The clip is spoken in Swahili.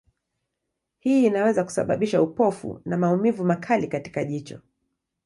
Hii inaweza kusababisha upofu na maumivu makali katika jicho.